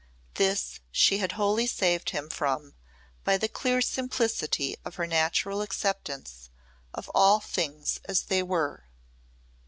This she had wholly saved him from by the clear simplicity of her natural acceptance of all things as they were.